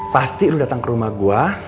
pasti lu datang ke rumah gue